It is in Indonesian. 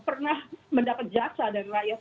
pernah mendapat jaksa dari rakyat